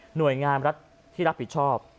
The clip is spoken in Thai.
หน่วยงานรัฐที่รับผิดชอบ